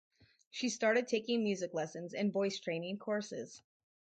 She started taking music lessons and voice training courses.